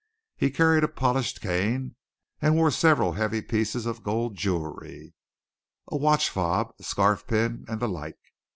He carried a polished cane and wore several heavy pieces of gold jewellery a watch fob, a scarf pin, and the like.